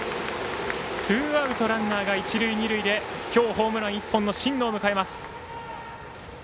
ツーアウトランナーが一塁二塁で今日ホームラン１本の新野を迎えます。